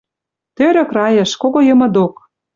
Тӧрӧк райыш, кого йымы док.